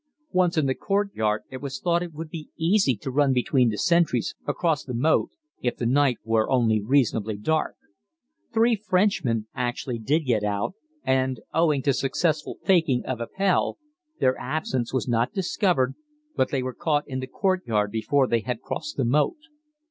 Once in the courtyard it was thought that it would be easy to run between the sentries across the moat if the night were only reasonably dark. Three Frenchmen actually did get out, and, owing to successful "faking" of Appell, their absence was not discovered, but they were caught in the courtyard before they had crossed the moat.